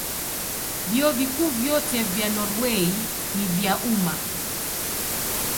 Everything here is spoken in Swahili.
Vyuo Vikuu vyote vya Norwei ni vya umma.